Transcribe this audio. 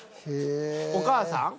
お母さん？